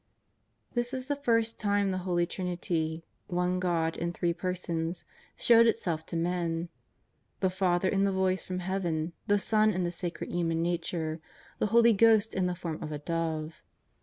'' This is the first time the Holy Trinity, One God in Three Persons, showed Itself to men — the Father in the Voice from Heaven, the Son in the Sacred Human E^ature, the Holy Ghost in the form of a Dove.